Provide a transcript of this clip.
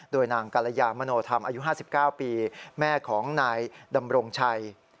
โดยนางกรยามโนธรรมอายุ๕๙ปีแม่ของนายดำรงชัย